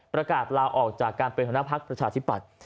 ประกาศลาออกจากการเป็นหัวหน้าพักประชาธิปัตย์